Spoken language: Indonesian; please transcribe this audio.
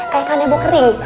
kayak kandung kering